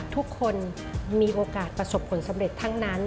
ทุกคนมีโอกาสประสบผลสำเร็จทั้งนั้น